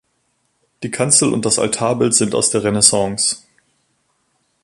Die Kanzel und das Altarbild sind aus der Renaissance.